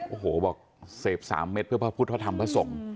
โอ้โหบอกเสพ๓เม็ดเพื่อพระพุทธพระธรรมพระสงฆ์